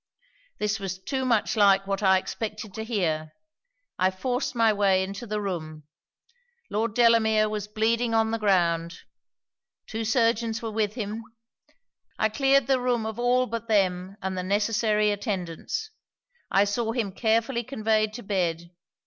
This was too much like what I expected to hear: I forced my way into the room. Lord Delamere was bleeding on the ground. Two surgeons were with him. I cleared the room of all but them, and the necessary attendants. I saw him carefully conveyed to bed.